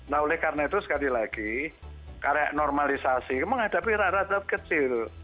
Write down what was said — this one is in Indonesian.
nah oleh karena itu sekali lagi karena normalisasi menghadapi rata rata kecil